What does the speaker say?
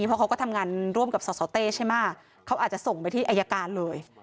เพราะเขาก็ทำงานร่วมกับสสเต้ใช่ไหมเขาอาจจะส่งไปที่อายการเลย